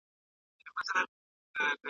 که څوک هڅه ونکړي نو هیڅکله نه بریالی کیږي.